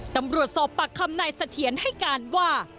ตำรวจสอบปากคำนายเสถียรให้การว่า